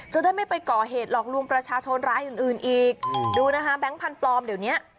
จะได้ไม่ไปก่อเหตุหลอกลวงประชาชนรายอื่นอื่นอีกดูนะคะแบงค์พันธุ์ปลอมเดี๋ยวเนี้ย